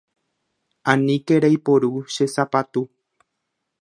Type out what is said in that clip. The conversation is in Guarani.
Aníke reiporu che sapatu.